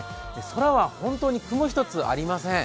空は本当に雲一つありません。